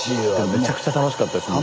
めちゃくちゃ楽しかったです。